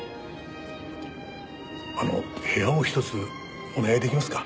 あの部屋を１つお願い出来ますか？